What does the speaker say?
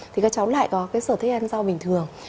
thì các cháu lại có cái sở thích ăn rau bình thường